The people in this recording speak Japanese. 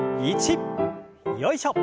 よいしょ。